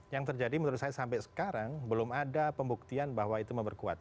yang terjadi menurut saya sampai sekarang belum ada pembuktian bahwa itu memperkuat